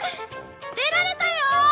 出られたよ！